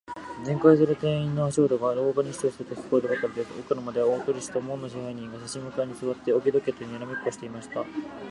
巡回する店員の足音が、廊下にシトシトと聞こえるばかりです。奥の間では、大鳥氏と門野支配人が、さし向かいにすわって、置き時計とにらめっこをしていました。